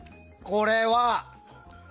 これは。